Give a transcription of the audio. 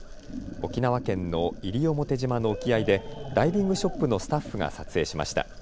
沖縄県の西表島の沖合でダイビングショップのスタッフが撮影しました。